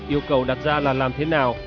yêu cầu đặt ra là làm thế nào